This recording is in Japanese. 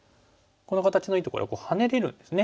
この形のいいところはハネれるんですね。